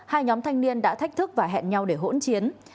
hai nhóm thanh niên đã thách thức và hẹn nhau để hỗn chiến